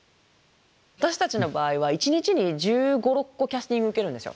私たちの場合は一日に１５１６個キャスティング受けるんですよ。